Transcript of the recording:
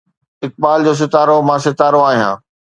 اقبال جو ستارو، مان ستارو آهيان